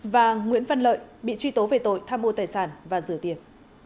và nguyễn văn lợi bị truy tố về tội tham mô tài sản và rửa tiền